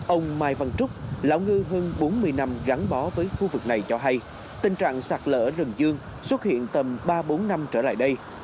ông mai văn trúc lão ngư hơn bốn mươi năm gắn bó với khu vực này cho hay tình trạng sạt lỡ rừng dương xuất hiện tầm ba bốn năm trở lại đây